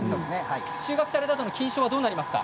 収穫されたあとの菌床はどうなりますか？